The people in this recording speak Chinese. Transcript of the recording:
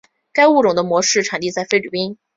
该物种的模式产地在菲律宾。